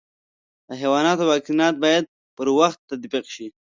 د حیواناتو واکسینات باید پر وخت تطبیق شي.